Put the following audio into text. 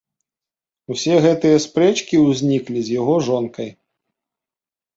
Усе гэтыя спрэчкі ўзніклі з яго жонкай.